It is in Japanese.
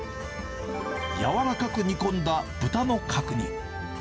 軟らかく煮込んだ豚の角煮。